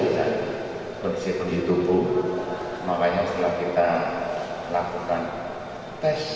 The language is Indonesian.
dan kondisi tubuh makanya setelah kita lakukan tes